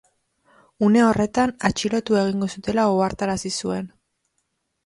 Une horretan, atxilotu egingo zutela ohartarazi zuen.